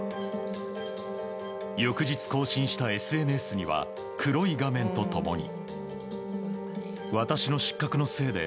翌日更新したＳＮＳには黒い画面と共に。